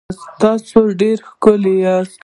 تاسو ډېر ښکلي یاست